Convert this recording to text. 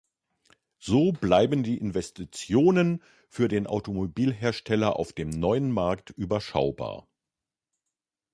So bleiben die Investitionen für den Automobilhersteller auf dem neuen Markt überschaubar.